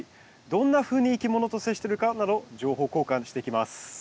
どんなふうにいきものと接してるかなど情報交換していきます。